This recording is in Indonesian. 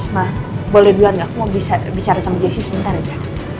mas boleh bilang gak aku mau bicara sama jessy sebentar ya